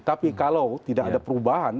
tapi kalau tidak ada perubahan